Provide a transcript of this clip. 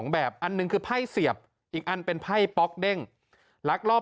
แบบอันหนึ่งคือไพ่เสียบอีกอันเป็นไพ่ป๊อกเด้งลักลอบ